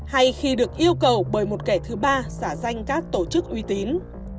hay khi được yêu cầu bởi một kẻ thứ ba giả danh các tổ chức uy tín